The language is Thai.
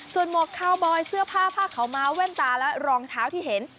ส่วนหมวกคาวบอยเสื้อผ้าผ้าขาวม้าแว่นตาและรองเท้าที่เห็น